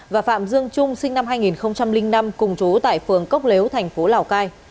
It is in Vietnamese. và phạm dương trung sinh năm hai nghìn năm cùng chú tại phường cốc lếu thành phố lào cai